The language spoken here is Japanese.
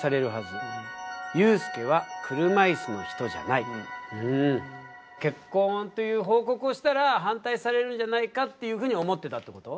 続いては結婚という報告をしたら反対されるんじゃないかっていうふうに思ってたってこと？